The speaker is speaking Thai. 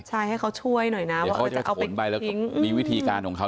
ใช่ให้เขาช่วยหน่อยนะว่าเขาจะเอาผลไปแล้วก็มีวิธีการของเขา